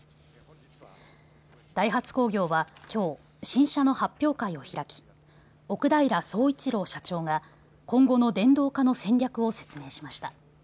ダイハツ工業はきょう新車の発表会を開き奥平総一郎社長が今後の電動化の戦略を説明しました。